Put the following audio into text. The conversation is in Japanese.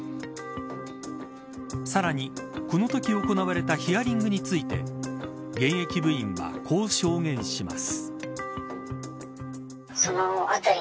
さらに、このとき行われたヒアリングについて現役部員はこう証言します。